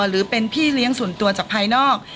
หรือเป็นพี่เลี้ยงส่วนตัวจากภายนอก